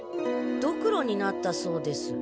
ドクロになったそうです。